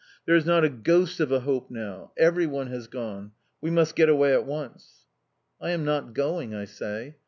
"There is not a ghost of a hope now! Everyone has gone. We must get away at once." "I am not going," I say.